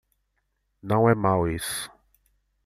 Não é mau isso